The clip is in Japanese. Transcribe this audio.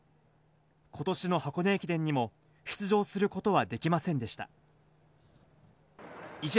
ことしの箱根駅伝にも出場することはできませんでした。